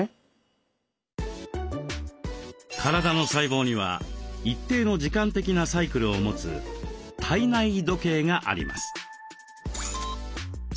体の細胞には一定の時間的なサイクルを持つ「体内時計」があります。